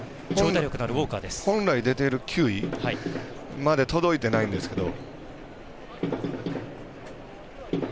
本来、出ている球威まで届いていないんですけど。